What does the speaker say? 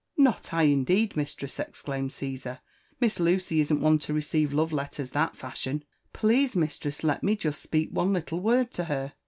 ''Not I, indeed, mistress!*' exclaimed CaBsar. "^^ Miss Lucy isn't one to receive love letters that fashion. Please, mistress, let me jeSt speak one little word to her."